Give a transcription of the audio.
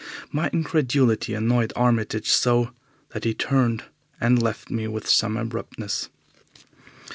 My incredulity annoyed Armitage so that he turned and left me with some abruptness.